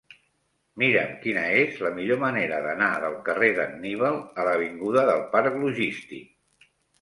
Mira'm quina és la millor manera d'anar del carrer d'Anníbal a l'avinguda del Parc Logístic.